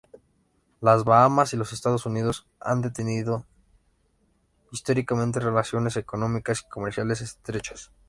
Las Bahamas y los Estados Unidos han tenido históricamente relaciones económicas y comerciales estrechas.